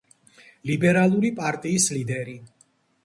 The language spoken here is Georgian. ლიბერალური პარტიის ლიდერი.